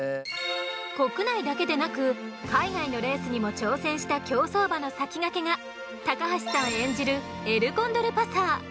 国内だけではなく海外のレースにも挑戦した競走馬の先駆けが橋さん演じるエルコンドルパサー。